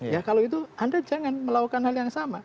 ya kalau itu anda jangan melakukan hal yang sama